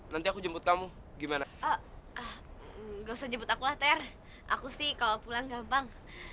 nanti aku jemput kamu gimana ah nggak usah jemput aku later aku sih kalau pulang gampang